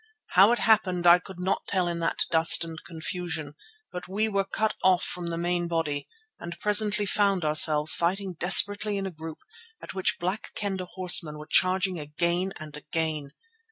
How it happened I could not tell in that dust and confusion, but we were cut off from the main body and presently found ourselves fighting desperately in a group at which Black Kendah horsemen were charging again and again.